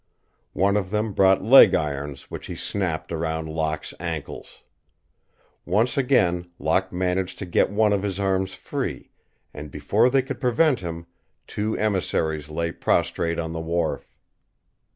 One of them brought leg irons which he snapped around Locke's ankles. Once again Locke managed to get one of his arms free and, before they could prevent him, two emissaries lay prostrate on the wharf.